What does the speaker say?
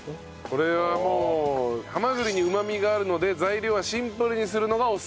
これはもうハマグリにうまみがあるので材料はシンプルにするのがおすすめと。